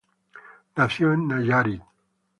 Nació en Nayarit.